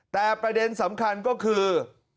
แต่ประเด็นสำคัญก็คือ